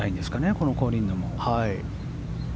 このコリンのも。